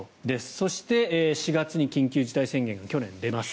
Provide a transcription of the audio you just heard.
そして４月に緊急事態宣言が去年、出ます。